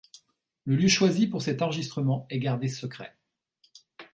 Le lieu choisi pour cet enregistrement est gardé secret.